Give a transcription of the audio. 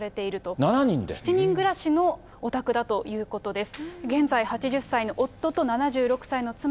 ７人暮らしのお宅だということです。